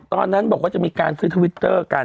ตอนนั้นบอกว่าจะมีการซื้อทวิตเตอร์กัน